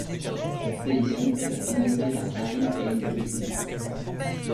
L'expédition était financée par Harry Payne Whitney.